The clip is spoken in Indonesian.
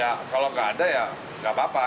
ya kalau tidak ada ya tidak apa apa